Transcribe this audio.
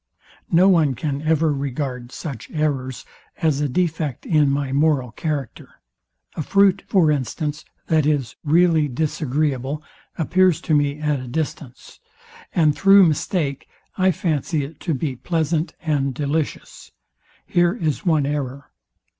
No one can ever regard such errors as a defect in my moral character. A fruit, for instance, that is really disagreeable, appears to me at a distance, and through mistake I fancy it to be pleasant and delicious. Here is one error.